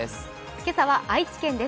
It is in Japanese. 今朝は愛知県です。